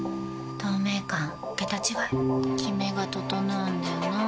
透明感桁違いキメが整うんだよな。